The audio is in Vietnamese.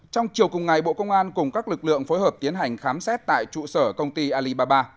trong chiều cùng ngày bộ công an cùng các lực lượng phối hợp tiến hành khám xét tại trụ sở công ty alibaba